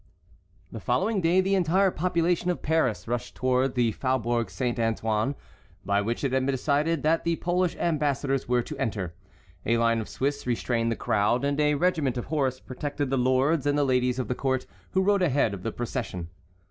The following day the entire population of Paris rushed towards the Faubourg Saint Antoine, by which it had been decided that the Polish ambassadors were to enter. A line of Swiss restrained the crowd, and a regiment of horse protected the lords and the ladies of the court who rode ahead of the procession.